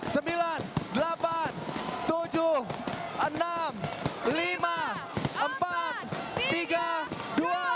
selamat tahun baru dua ribu enam belas